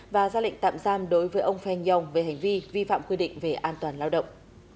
và ra lệnh tạm giam đối với ông feng yong về hành vi vi phạm quy định về an toàn lao động